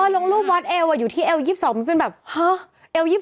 ลงรูปวาซเอลอยู่ที่ล๒๒มันเป็นแบบ